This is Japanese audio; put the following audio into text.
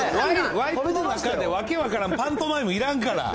ワイプの中で、訳分からんパントマイムいらんから。